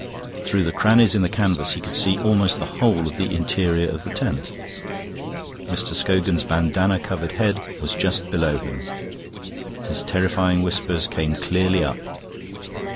Through the crannies in the canvas he could see almost the whole of the interior of the tent. Mr. Scogan's bandana covered head was just below him; his terrifying whispers came clearly up.